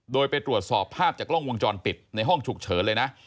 โดยไปตรวจสอบภาพจากกล้องวงจรปิดในห้องฉุกเฉินเลยนะ